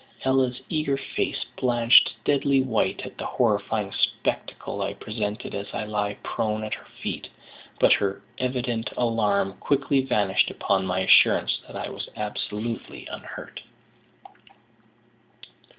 Ella's eager face blanched deadly white at the horrifying spectacle I presented as I lay prone at her feet, but her evident alarm quickly vanished upon my assurance that I was absolutely unhurt.